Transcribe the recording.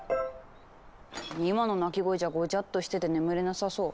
今の鳴き声じゃごちゃっとしてて眠れなさそう。